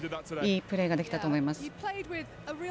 いいプレーができたと思います。